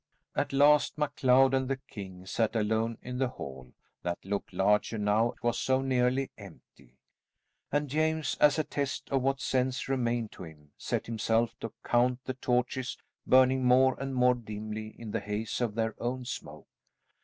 At last MacLeod and the king sat alone in the hall, that looked larger now it was so nearly empty; and James, as a test of what sense remained to him, set himself to count the torches burning more and more dimly in the haze of their own smoke.